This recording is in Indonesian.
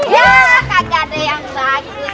ya kak gatuh yang bagus